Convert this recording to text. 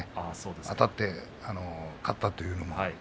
あたって勝ったというのも。